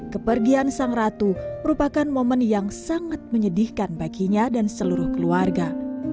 kepergian sang ratu merupakan momen yang sangat menyedihkan baginya dan seluruh keluarga